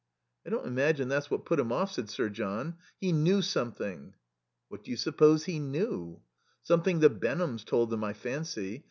"I don't imagine that's what put him off," said Sir John. "He knew something." "What do you suppose he knew?" "Something the Benhams told them, I fancy.